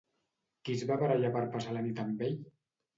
Qui es va barallar per passar la nit amb ell?